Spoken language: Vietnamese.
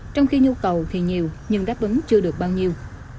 trong khi nhu cầu thì nhiều nhưng đáp ứng chưa được bao nhiêu